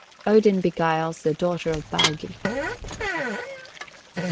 ODIN BEGUILES THE DAUGHTER OF BAUGI 72.